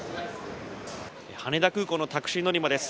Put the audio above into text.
羽田空港のタクシー乗り場です。